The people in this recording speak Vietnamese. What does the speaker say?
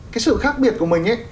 cái sự khác biệt của mình ấy